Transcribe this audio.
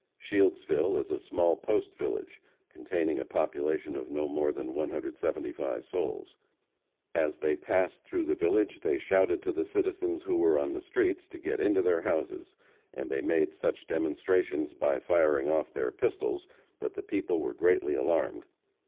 Shieldsville is a small post village, containing a population of no more than 175 souls. As they passed through the village, they shouted to the citizens who were on the streets to get into their houses, and they made such demonstrations by firing off their pistols that the people were greatly alarmed.